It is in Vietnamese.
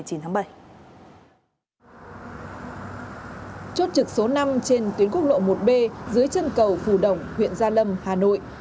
chốt trực số năm trên tuyến quốc lộ một b dưới chân cầu phù đồng huyện gia lâm hà nội